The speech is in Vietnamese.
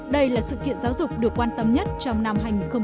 đây là sự kiện giáo dục được quan tâm nhất trong năm hai nghìn một mươi chín